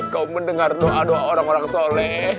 kau mendengar doa doa orang orang soleh